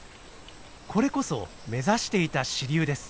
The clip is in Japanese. これこそ目指していた支流です。